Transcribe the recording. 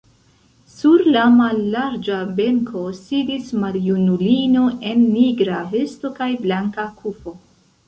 Sur la mallarĝa benko sidis maljunulino en nigra vesto kaj blanka kufo.